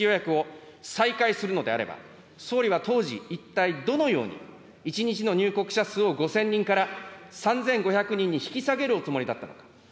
国際線の新規予約を再開するのであれば、総理は当時、一体どのように、１日の入国者数を５０００人から３５００人に引き下げるおつもりだったのか。